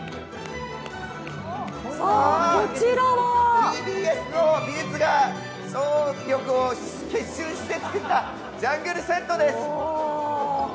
ＴＢＳの美術が総力を結集して作ったジャングルセットです。